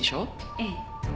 ええ。